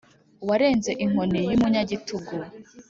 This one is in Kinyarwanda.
warenze inkoni y'umunyagitugu: